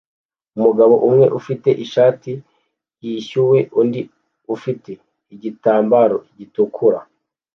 Umugabo umwe ufite ishati yishyuwe undi afite igitambaro gitukura